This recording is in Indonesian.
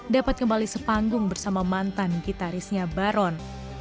dapat kembali sepanggung bersama mantan gitarisnya baron